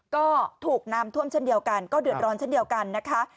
ก็ถูกน้ำท่วมเช่นเดียวกันก็เดือดร้อนเช่นเดียวกันนะคะ